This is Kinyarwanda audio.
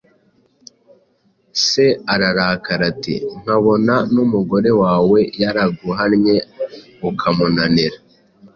Se ararakara; ati: “Nkabona n’umugore wawe yaraguhannye ukamunanira,